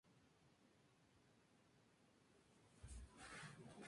Durante las migraciones una gran cantidad de individuos pueden ser observados juntos.